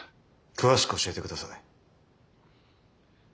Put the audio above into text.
詳しく教えてください。